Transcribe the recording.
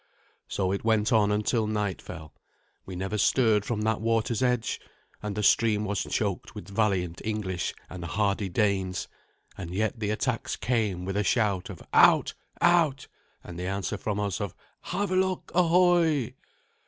So it went on until night fell. We never stirred from that water's edge, and the stream was choked with valiant English and hardy Danes; and yet the attacks came with the shout of "Out! out!" and the answer from us of "Havelok, ahoy!"